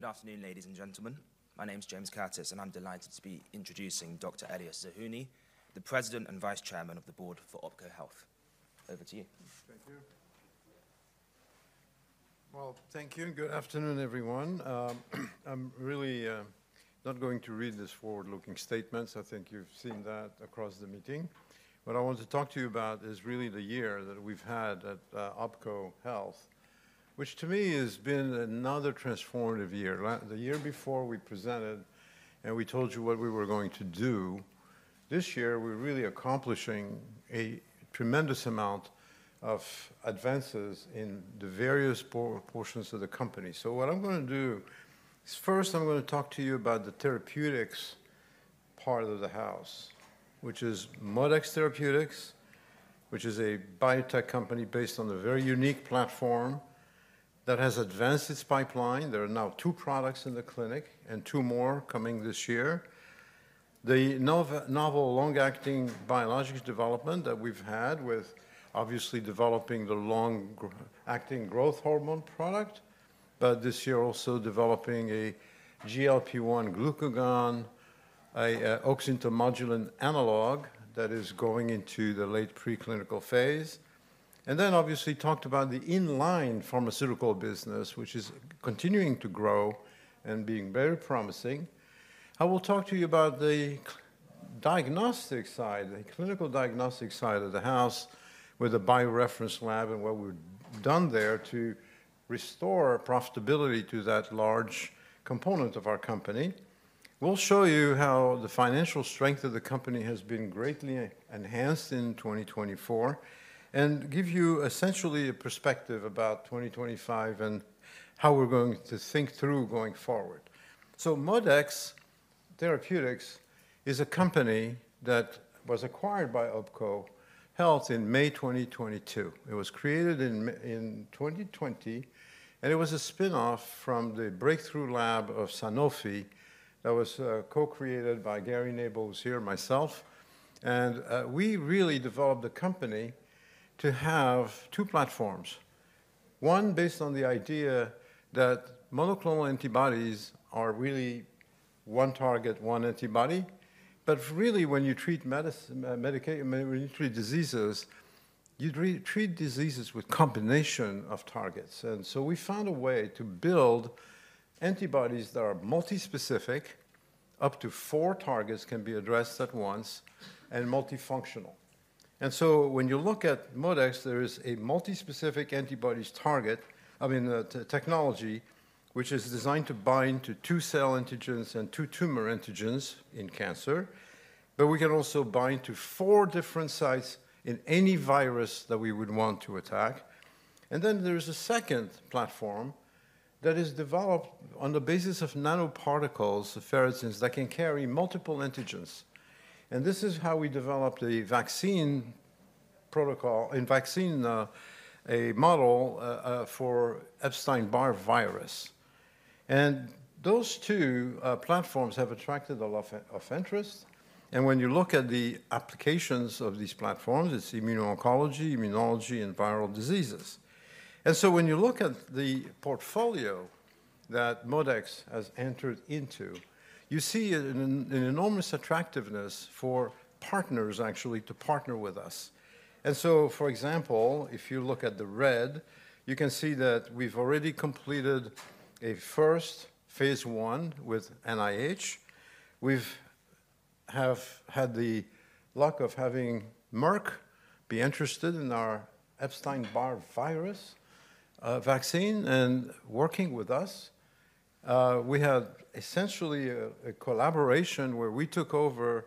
Good afternoon, ladies and gentlemen. My name's James Curtis, and I'm delighted to be introducing Dr. Elias Zerhouni, the President and Vice Chairman of the Board for OPKO Health. Over to you. Thank you. Thank you, and good afternoon, everyone. I'm really not going to read this forward-looking statement. I think you've seen that across the meeting. What I want to talk to you about is really the year that we've had at OPKO Health, which to me has been another transformative year. The year before, we presented and we told you what we were going to do. This year, we're really accomplishing a tremendous amount of advances in the various portions of the company. So what I'm going to do is, first, I'm going to talk to you about the therapeutics part of the house, which is ModeX Therapeutics, which is a biotech company based on a very unique platform that has advanced its pipeline. There are now two products in the clinic and two more coming this year: the novel long-acting biologic development that we've had with, obviously, developing the long-acting growth hormone product, but this year also developing a GLP-1 glucagon, an oxyntomodulin analog that is going into the late preclinical phase, and then, obviously, talked about the inline pharmaceutical business, which is continuing to grow and being very promising. I will talk to you about the diagnostic side, the clinical diagnostic side of the house with a BioReference lab and what we've done there to restore profitability to that large component of our company. We'll show you how the financial strength of the company has been greatly enhanced in 2024 and give you essentially a perspective about 2025 and how we're going to think through going forward, so ModeX Therapeutics is a company that was acquired by OPKO Health in May 2022. It was created in 2020, and it was a spinoff from the Breakthrough Lab of Sanofi that was co-created by Gary Nabel, who's here, myself. And we really developed the company to have two platforms: one based on the idea that monoclonal antibodies are really one target, one antibody. But really, when you treat diseases, you treat diseases with a combination of targets. And so we found a way to build antibodies that are multi-specific, up to four targets can be addressed at once, and multifunctional. And so when you look at ModeX, there is a multi-specific antibodies target, I mean, technology, which is designed to bind to two cell antigens and two tumor antigens in cancer. But we can also bind to four different sites in any virus that we would want to attack. Then there is a second platform that is developed on the basis of nanoparticles, for instance, that can carry multiple antigens. And this is how we developed a vaccine protocol and vaccine model for Epstein-Barr virus. And those two platforms have attracted a lot of interest. And when you look at the applications of these platforms, it's immuno-oncology, immunology, and viral diseases. And so when you look at the portfolio that ModeX has entered into, you see an enormous attractiveness for partners, actually, to partner with us. And so, for example, if you look at the red, you can see that we've already completed a first phase I with NIH. We have had the luck of having Merck be interested in our Epstein-Barr virus vaccine and working with us. We had essentially a collaboration where we took over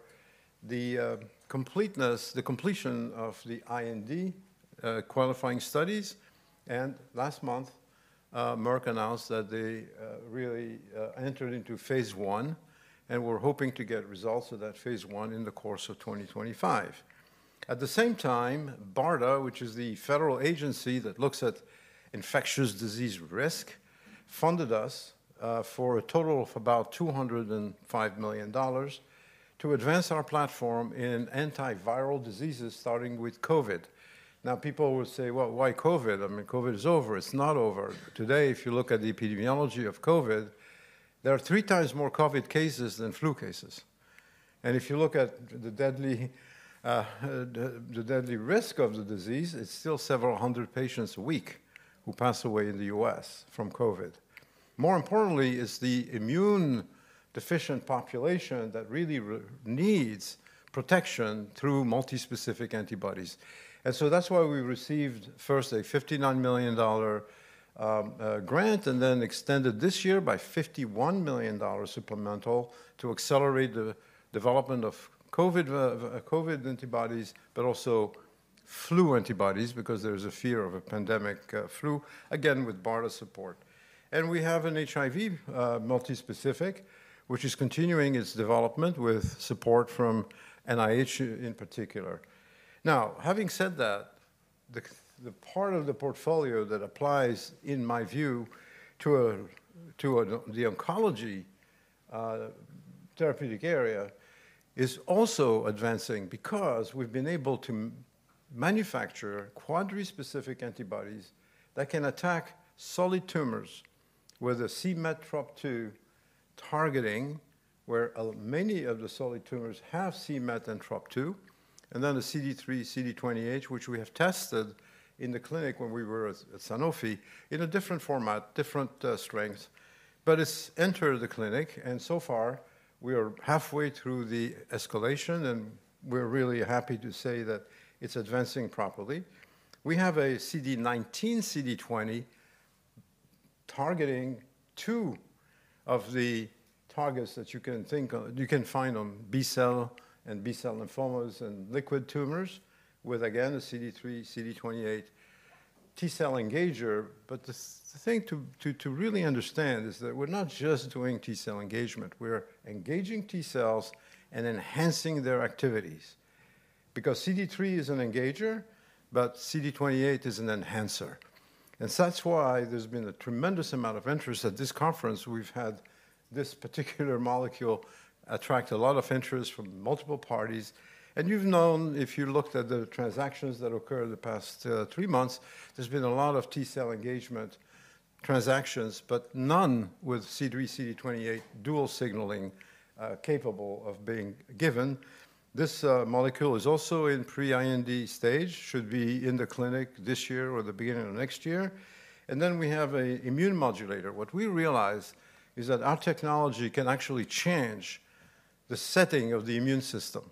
the completeness, the completion of the IND qualifying studies. And last month, Merck announced that they really entered into phase I, and we're hoping to get results of that phase I in the course of 2025. At the same time, BARDA, which is the federal agency that looks at infectious disease risk, funded us for a total of about $205 million to advance our platform in antiviral diseases, starting with COVID. Now, people will say, "Well, why COVID? I mean, COVID is over. It's not over." Today, if you look at the epidemiology of COVID, there are three times more COVID cases than flu cases. And if you look at the deadly risk of the disease, it's still several hundred patients a week who pass away in the U.S. from COVID. More importantly, it's the immune-deficient population that really needs protection through multi-specific antibodies. That's why we received first a $59 million grant and then extended this year by $51 million supplemental to accelerate the development of COVID antibodies, but also flu antibodies, because there is a fear of a pandemic flu, again, with BARDA support. We have an HIV multi-specific, which is continuing its development with support from NIH in particular. Now, having said that, the part of the portfolio that applies, in my view, to the oncology therapeutic area is also advancing because we've been able to manufacture quad-specific antibodies that can attack solid tumors, whether c-MET, TROP2 targeting, where many of the solid tumors have c-MET and TROP2, and then the CD3, CD20, which we have tested in the clinic when we were at Sanofi in a different format, different strength. But it's entered the clinic, and so far, we are halfway through the escalation, and we're really happy to say that it's advancing properly. We have a CD19, CD20 targeting two of the targets that you can think of, you can find on B-cell and B-cell lymphomas and liquid tumors, with, again, a CD3, CD28 T-cell engager. But the thing to really understand is that we're not just doing T-cell engagement. We're engaging T cells and enhancing their activities. Because CD3 is an engager, but CD28 is an enhancer. And that's why there's been a tremendous amount of interest. At this conference, we've had this particular molecule attract a lot of interest from multiple parties. You've known, if you looked at the transactions that occurred in the past three months, there's been a lot of T cell engagement transactions, but none with CD3, CD28 dual signaling capable of being given. This molecule is also in pre-IND stage, should be in the clinic this year or the beginning of next year. Then we have an immune modulator. What we realize is that our technology can actually change the setting of the immune system.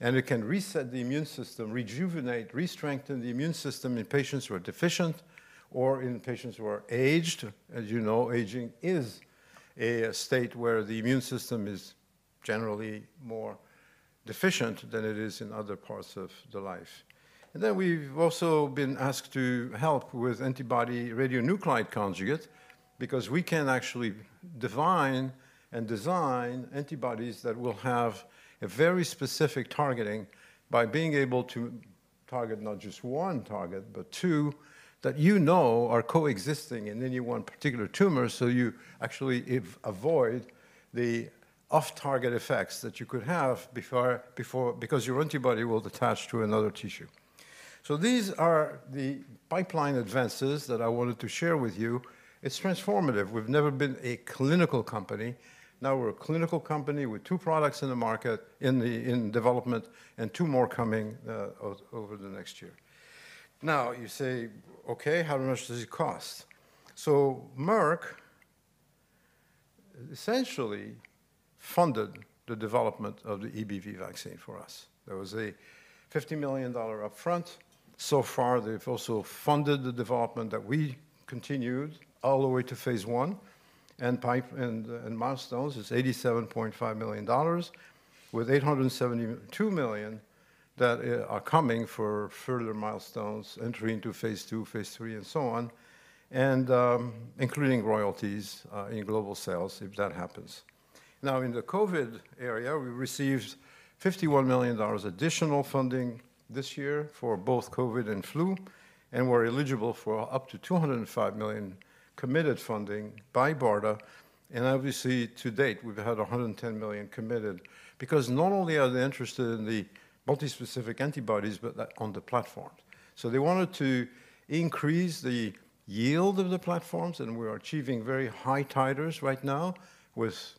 It can reset the immune system, rejuvenate, re-strengthen the immune system in patients who are deficient or in patients who are aged. As you know, aging is a state where the immune system is generally more deficient than it is in other parts of the life. We've also been asked to help with antibody-radionuclide conjugate because we can actually define and design antibodies that will have a very specific targeting by being able to target not just one target, but two that you know are coexisting in any one particular tumor, so you actually avoid the off-target effects that you could have before because your antibody will attach to another tissue. These are the pipeline advances that I wanted to share with you. It's transformative. We've never been a clinical company. Now we're a clinical company with two products in the market, in development, and two more coming over the next year. Now, you say, "Okay, how much does it cost?" Merck essentially funded the development of the EBV vaccine for us. There was a $50 million upfront. So far, they've also funded the development that we continued all the way to phase I and milestones. It's $87.5 million with $872 million that are coming for further milestones, entry into phase II, phase III, and so on, including royalties in global sales, if that happens. Now, in the COVID area, we received $51 million additional funding this year for both COVID and flu, and we're eligible for up to $205 million committed funding by BARDA, and obviously, to date, we've had $110 million committed because not only are they interested in the multi-specific antibodies, but on the platforms, so they wanted to increase the yield of the platforms, and we are achieving very high titers right now with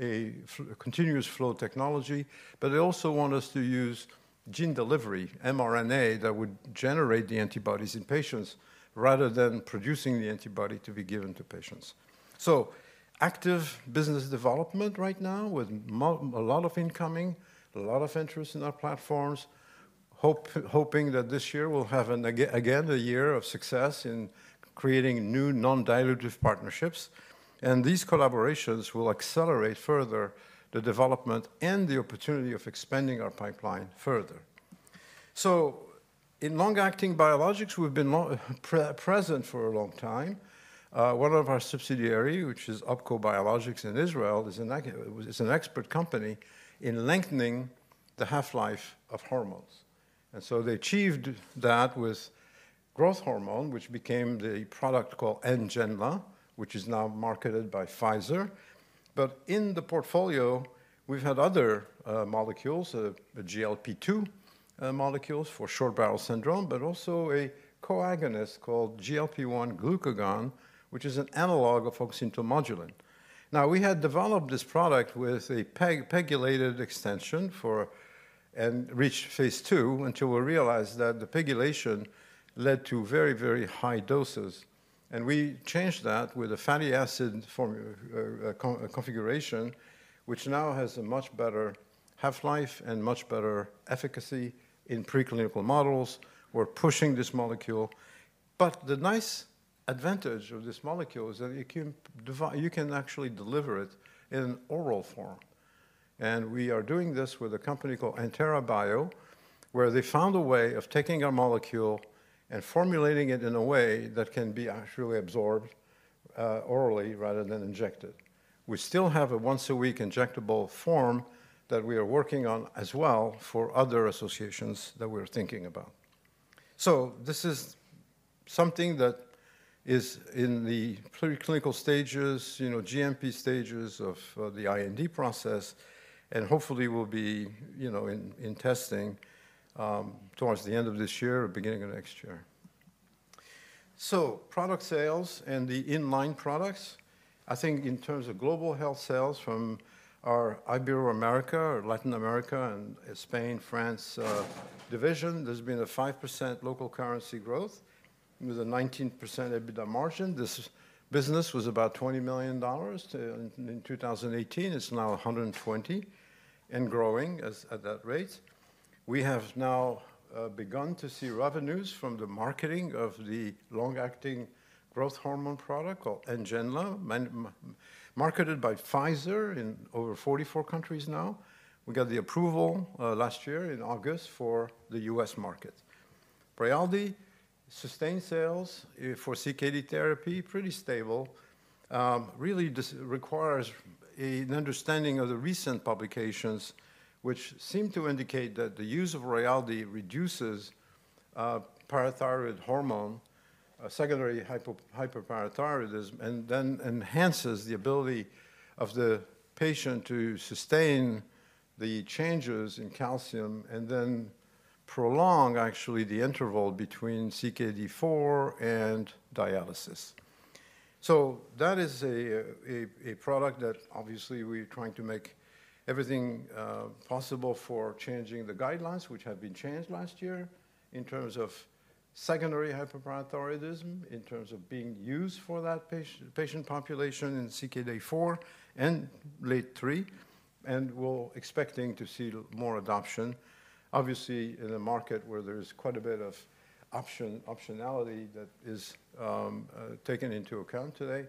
a continuous flow technology. But they also want us to use gene delivery, mRNA, that would generate the antibodies in patients rather than producing the antibody to be given to patients. So active business development right now with a lot of incoming, a lot of interest in our platforms, hoping that this year we'll have again a year of success in creating new non-dilutive partnerships. And these collaborations will accelerate further the development and the opportunity of expanding our pipeline further. So in long-acting biologics, we've been present for a long time. One of our subsidiaries, which is OPKO Biologics in Israel, is an expert company in lengthening the half-life of hormones. And so they achieved that with growth hormone, which became the product called NGENLA, which is now marketed by Pfizer. But in the portfolio, we've had other molecules, GLP-2 molecules for Short Bowel Syndrome, but also a coagonist called GLP-1 glucagon, which is an analog of oxyntomodulin. Now, we had developed this product with a pegylated extension and reached phase II until we realized that the pegylation led to very, very high doses. And we changed that with a fatty acid configuration, which now has a much better half-life and much better efficacy in preclinical models. We're pushing this molecule. But the nice advantage of this molecule is that you can actually deliver it in an oral form. And we are doing this with a company called Entera Bio, where they found a way of taking our molecule and formulating it in a way that can be actually absorbed orally rather than injected. We still have a once-a-week injectable form that we are working on as well for other associations that we're thinking about. So this is something that is in the preclinical stages, GMP stages of the IND process, and hopefully will be in testing towards the end of this year or beginning of next year. So product sales and the inline products, I think in terms of global health sales from our Ibero-America or Latin America and Spain, France division, there's been a 5% local currency growth with a 19% EBITDA margin. This business was about $20 million in 2018. It's now $120 million and growing at that rate. We have now begun to see revenues from the marketing of the long-acting growth hormone product called NGENLA, marketed by Pfizer in over 44 countries now. We got the approval last year in August for the U.S. market. RAYALDEE sustained sales for CKD therapy, pretty stable. Really requires an understanding of the recent publications, which seem to indicate that the use of RAYALDEE reduces parathyroid hormone, secondary hyperparathyroidism, and then enhances the ability of the patient to sustain the changes in calcium and then prolong actually the interval between CKD4 and dialysis. So that is a product that obviously we're trying to make everything possible for changing the guidelines, which have been changed last year in terms of secondary hyperparathyroidism, in terms of being used for that patient population in CKD4 and late three, and we're expecting to see more adoption. Obviously, in a market where there is quite a bit of optionality that is taken into account today,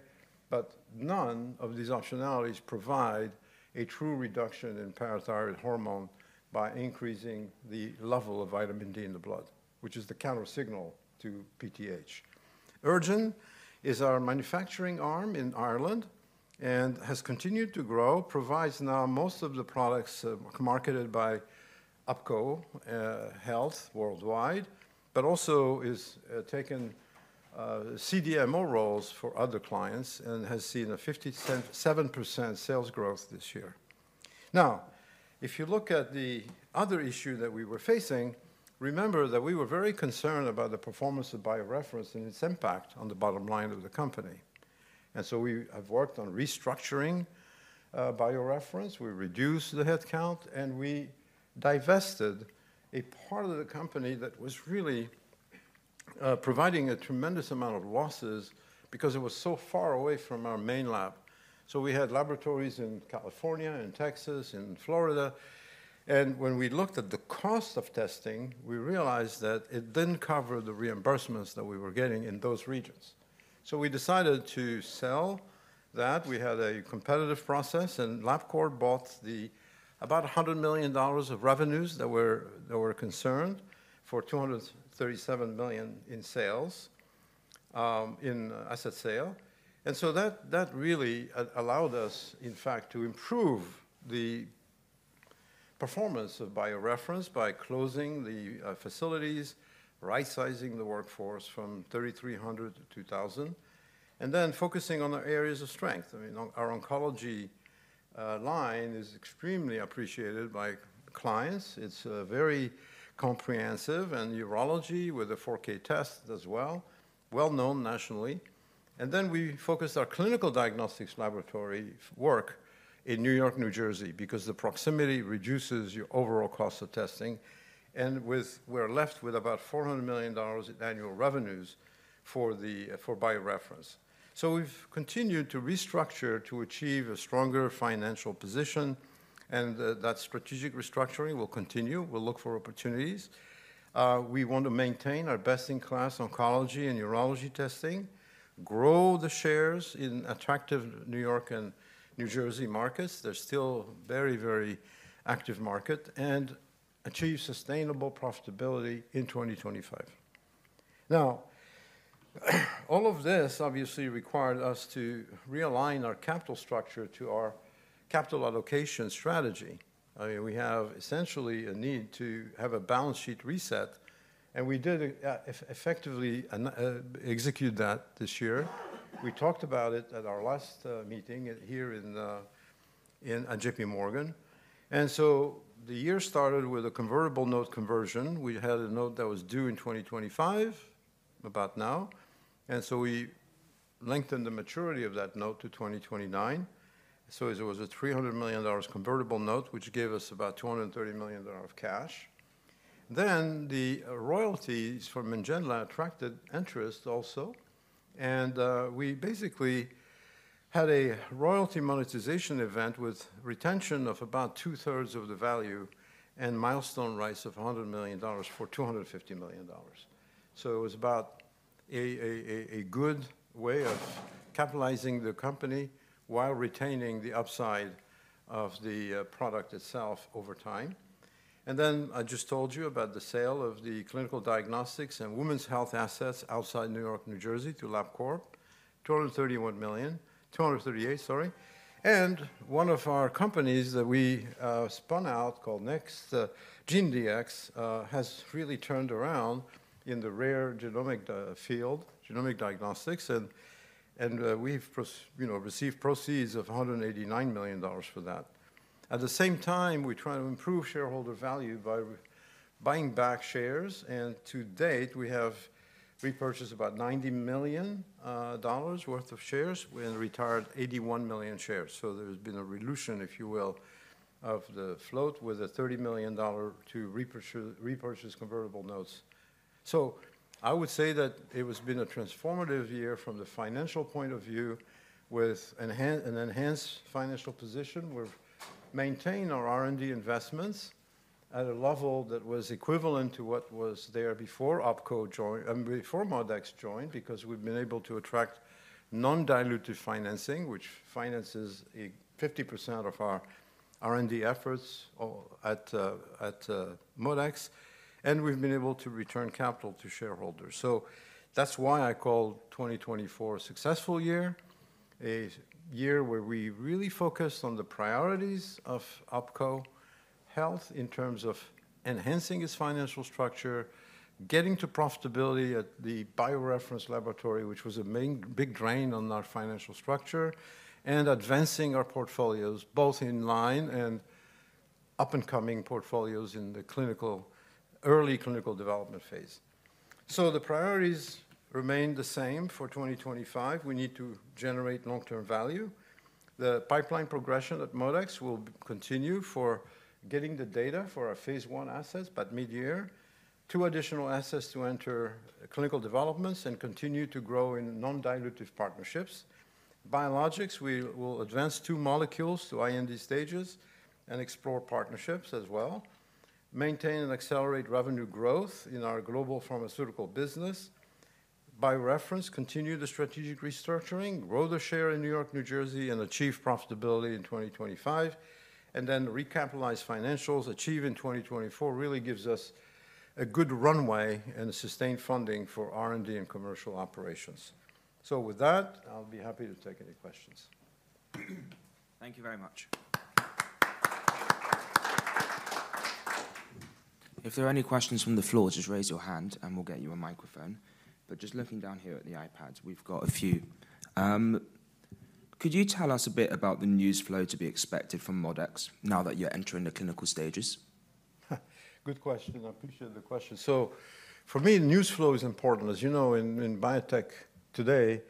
but none of these optionalities provide a true reduction in parathyroid hormone by increasing the level of vitamin D in the blood, which is the counter signal to PTH. EirGen is our manufacturing arm in Ireland and has continued to grow, provides now most of the products marketed by OPKO Health worldwide, but also has taken CDMO roles for other clients and has seen a 57% sales growth this year. Now, if you look at the other issue that we were facing, remember that we were very concerned about the performance of BioReference and its impact on the bottom line of the company, and so we have worked on restructuring BioReference. We reduced the headcount, and we divested a part of the company that was really providing a tremendous amount of losses because it was so far away from our main lab, so we had laboratories in California, in Texas, in Florida, and when we looked at the cost of testing, we realized that it didn't cover the reimbursements that we were getting in those regions. So we decided to sell that. We had a competitive process, and LabCorp bought about $100 million of revenues that were concerned for $237 million in sales, in asset sale. And so that really allowed us, in fact, to improve the performance of BioReference by closing the facilities, right-sizing the workforce from 3,300 to 2,000, and then focusing on our areas of strength. I mean, our oncology line is extremely appreciated by clients. It's very comprehensive and urology with a 4K test as well, well-known nationally. And then we focused our clinical diagnostics laboratory work in New York, New Jersey, because the proximity reduces your overall cost of testing. And we're left with about $400 million in annual revenues for BioReference. So we've continued to restructure to achieve a stronger financial position, and that strategic restructuring will continue. We'll look for opportunities. We want to maintain our best-in-class oncology and urology testing, grow the shares in attractive New York and New Jersey markets. They're still a very, very active market and achieve sustainable profitability in 2025. Now, all of this obviously required us to realign our capital structure to our capital allocation strategy. I mean, we have essentially a need to have a balance sheet reset, and we did effectively execute that this year. We talked about it at our last meeting here in JPMorgan. The year started with a convertible note conversion. We had a note that was due in 2025, about now. We lengthened the maturity of that note to 2029. It was a $300 million convertible note, which gave us about $230 million of cash. Then the royalties from NGENLA attracted interest also. We basically had a royalty monetization event with retention of about two-thirds of the value and milestone rights of $100 million for $250 million. So it was about a good way of capitalizing the company while retaining the upside of the product itself over time. Then I just told you about the sale of the clinical diagnostics and women's health assets outside New York, New Jersey to Labcorp, $231 million, $238 million, sorry. One of our companies that we spun out called GeneDx has really turned around in the rare genomic field, genomic diagnostics, and we've received proceeds of $189 million for that. At the same time, we try to improve shareholder value by buying back shares. To date, we have repurchased about $90 million worth of shares and retired 81 million shares. So there has been a revolution, if you will, of the float with a $30 million to repurchase convertible notes. So I would say that it has been a transformative year from the financial point of view with an enhanced financial position. We've maintained our R&D investments at a level that was equivalent to what was there before OPKO joined, before ModeX joined because we've been able to attract non-dilutive financing, which finances 50% of our R&D efforts at ModeX, and we've been able to return capital to shareholders. So that's why I call 2024 a successful year, a year where we really focused on the priorities of OPKO Health in terms of enhancing its financial structure, getting to profitability at the BioReference laboratory, which was a big drain on our financial structure, and advancing our portfolios, both in line and up-and-coming portfolios in the early clinical development phase. So the priorities remain the same for 2025. We need to generate long-term value. The pipeline progression at ModeX will continue for getting the data for our phase I assets by mid-year, two additional assets to enter clinical developments and continue to grow in non-dilutive partnerships. Biologics, we will advance two molecules to IND stages and explore partnerships as well, maintain and accelerate revenue growth in our global pharmaceutical business. BioReference, continue the strategic restructuring, grow the share in New York, New Jersey, and achieve profitability in 2025, and then recapitalize financials. Achieve in 2024 really gives us a good runway and sustained funding for R&D and commercial operations. So with that, I'll be happy to take any questions. Thank you very much. If there are any questions from the floor, just raise your hand and we'll get you a microphone. But just looking down here at the iPads, we've got a few. Could you tell us a bit about the news flow to be expected from ModeX now that you're entering the clinical stages? Good question. I appreciate the question. So for me, news flow is important. As you know, in biotech today,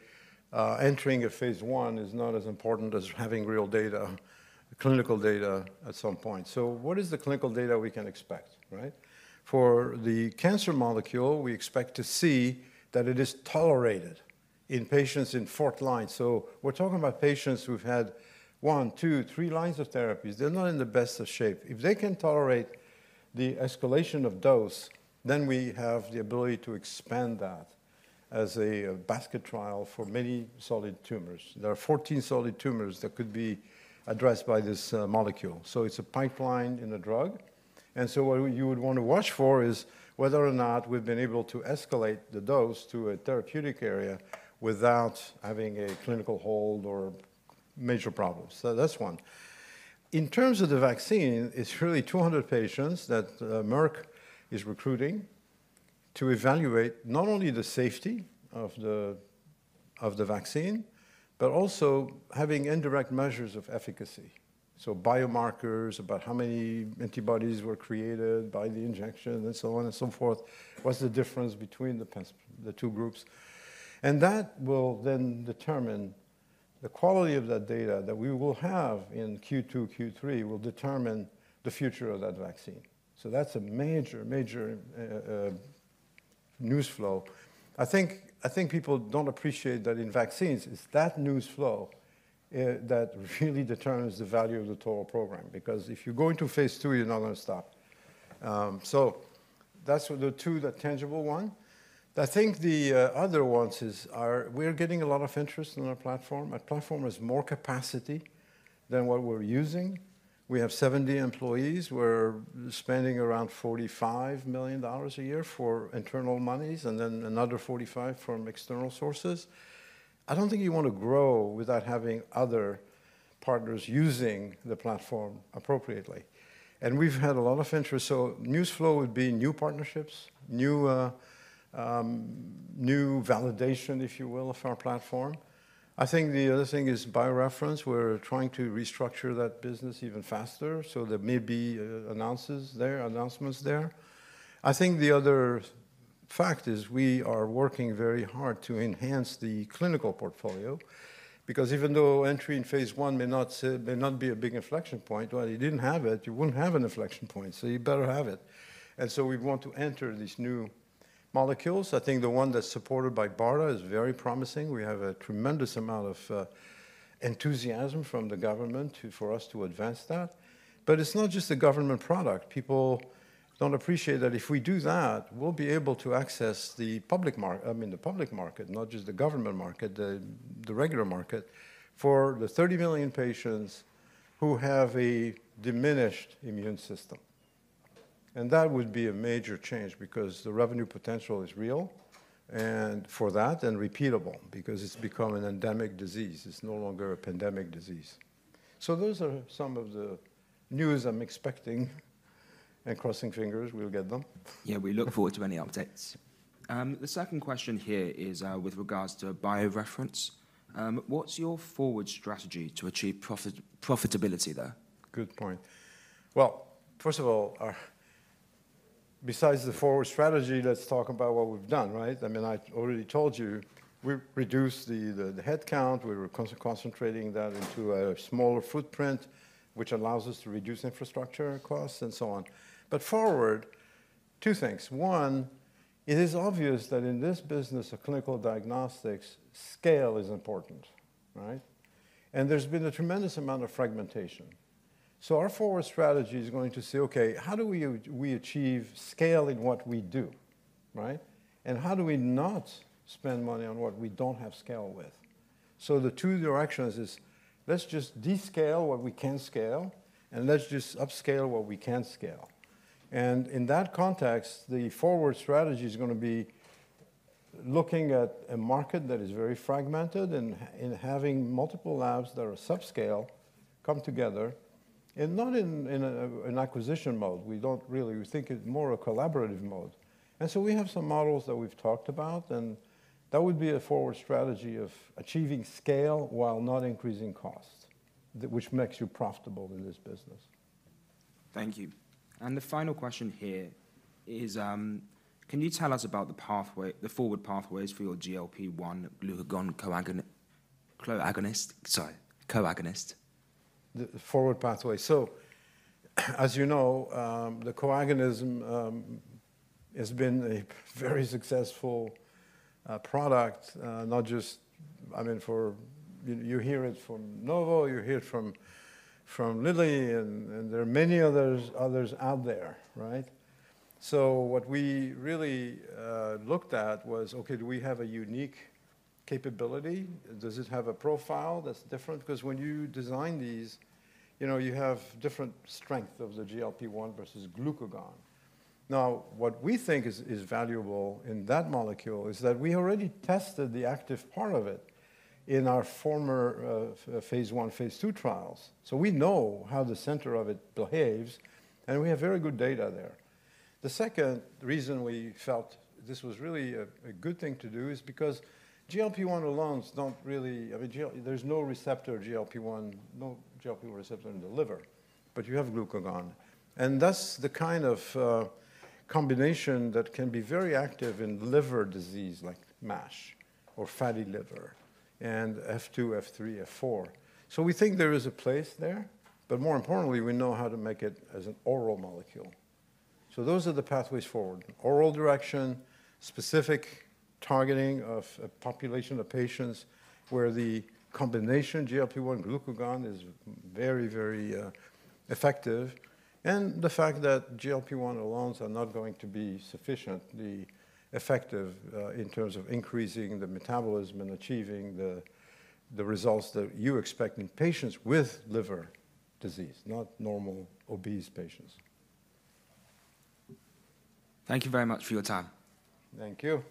entering a phase I is not as important as having real data, clinical data at some point. So what is the clinical data we can expect, right? For the cancer molecule, we expect to see that it is tolerated in patients in fourth line. So we're talking about patients who've had one, two, three lines of therapies. They're not in the best of shape. If they can tolerate the escalation of dose, then we have the ability to expand that as a basket trial for many solid tumors. There are 14 solid tumors that could be addressed by this molecule. So it's a pipeline in a drug. And so what you would want to watch for is whether or not we've been able to escalate the dose to a therapeutic area without having a clinical hold or major problems. So that's one. In terms of the vaccine, it's really 200 patients that Merck is recruiting to evaluate not only the safety of the vaccine, but also having indirect measures of efficacy. So biomarkers, about how many antibodies were created by the injection and so on and so forth, what's the difference between the two groups. And that will then determine the quality of that data that we will have in Q2/Q3 will determine the future of that vaccine. So that's a major, major news flow. I think people don't appreciate that in vaccines. It's that news flow that really determines the value of the total program because if you go into phase II, you're not going to stop. So that's the two, the tangible one. I think the other ones is we're getting a lot of interest in our platform. Our platform has more capacity than what we're using. We have 70 employees. We're spending around $45 million a year for internal monies and then another $45 from external sources. I don't think you want to grow without having other partners using the platform appropriately. And we've had a lot of interest. So news flow would be new partnerships, new validation, if you will, of our platform. I think the other thing is BioReference. We're trying to restructure that business even faster. So there may be announcements there. I think the other fact is we are working very hard to enhance the clinical portfolio because even though entry in phase I may not be a big inflection point. Well, you didn't have it. You wouldn't have an inflection point, so you better have it, and so we want to enter these new molecules. I think the one that's supported by BARDA is very promising. We have a tremendous amount of enthusiasm from the government for us to advance that, but it's not just a government product. People don't appreciate that if we do that, we'll be able to access the public market. I mean, the public market, not just the government market, the regular market for the 30 million patients who have a diminished immune system. That would be a major change because the revenue potential is real for that and repeatable because it's become an endemic disease. It's no longer a pandemic disease. Those are some of the news I'm expecting and crossing fingers we'll get them. Yeah, we look forward to any updates. The second question here is with regards to BioReference. What's your forward strategy to achieve profitability there? Good point. First of all, besides the forward strategy, let's talk about what we've done, right? I mean, I already told you we reduced the headcount. We were concentrating that into a smaller footprint, which allows us to reduce infrastructure costs and so on. Forward, two things. One, it is obvious that in this business, clinical diagnostics scale is important, right? There's been a tremendous amount of fragmentation. So our forward strategy is going to say, okay, how do we achieve scale in what we do, right? And how do we not spend money on what we don't have scale with? So the two directions is let's just descale what we can scale and let's just upscale what we can't scale. And in that context, the forward strategy is going to be looking at a market that is very fragmented and having multiple labs that are subscale come together and not in an acquisition mode. We don't really think it's more a collaborative mode. And so we have some models that we've talked about, and that would be a forward strategy of achieving scale while not increasing cost, which makes you profitable in this business. Thank you. And the final question here is, can you tell us about the forward pathways for your GLP-1 glucagon coagonist? Sorry, coagonist. The forward pathway. So as you know, the coagonism has been a very successful product, not just, I mean, for you hear it from Novo, you hear it from Lilly, and there are many others out there, right? So what we really looked at was, okay, do we have a unique capability? Does it have a profile that's different? Because when you design these, you have different strength of the GLP-1 versus glucagon. Now, what we think is valuable in that molecule is that we already tested the active part of it in our former phase I, phase II trials. So we know how the center of it behaves, and we have very good data there. The second reason we felt this was really a good thing to do is because GLP-1 alone is not really, I mean, there's no receptor GLP-1, no GLP-1 receptor in the liver, but you have glucagon. And that's the kind of combination that can be very active in liver disease like MASH or fatty liver and F2, F3, F4. So we think there is a place there, but more importantly, we know how to make it as an oral molecule. So those are the pathways forward. Oral direction, specific targeting of a population of patients where the combination GLP-1 glucagon is very, very effective. And the fact that GLP-1s alone are not going to be sufficiently effective in terms of increasing the metabolism and achieving the results that you expect in patients with liver disease, not normal obese patients. Thank you very much for your time. Thank you.